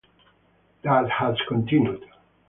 That has continued.